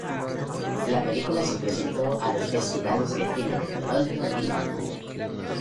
La película se presentó a los festivales de cine de Toronto y Vancouver.